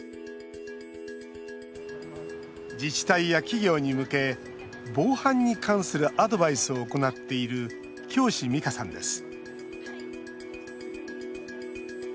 自治体や企業に向け防犯に関するアドバイスを行っている京師美佳さんです